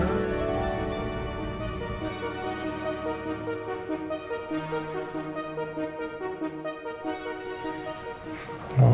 terima kasih you